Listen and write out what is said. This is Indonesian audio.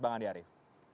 bang andi arief